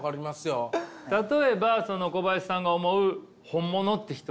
例えばその小林さんが思う本物って人は？